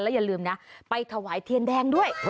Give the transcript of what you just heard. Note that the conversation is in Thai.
อย่าลืมนะไปถวายเทียนแดงด้วย